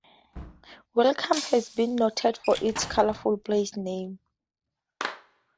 Welcome has been noted for its colorful place name.